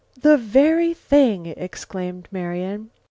"The very thing!" exclaimed Marian.